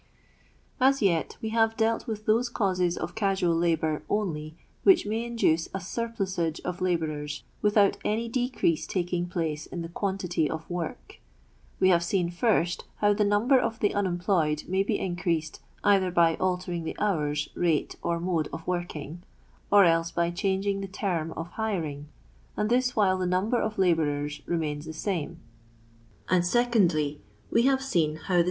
As vet we have dealt with those causes of casual laliour only which may induce a surphi^asre of labourers witlnmt any tfi<):ti<e taiinij j'fw: !«^■': .fmii'tit'f 1/ '' n.l: We have seen, fjr«t, hnvf thr nunibi r of the unemployed ni.vy be increased either by altering the hours, rate, r.r mode of workint*. or else by changing the tonn of hiiiug, and this while the number of labourer.^ rfiiiaioi the same ; and, secondly, we have seen how the